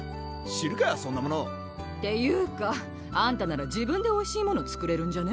知るかそんなものっていうかあんたなら自分でおいしいもの作れるんじゃね？